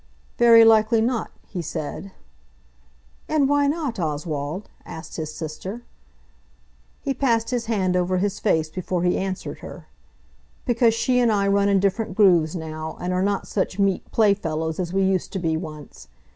"Very likely not," he said. "And why not, Oswald?" asked his sister. He passed his hand over his face before he answered her. "Because she and I run in different grooves now, and are not such meet playfellows as we used to be once.